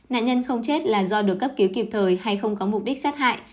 nạn nhân không chết là do được cấp cứu kịp thời hay không có mục đích sát hại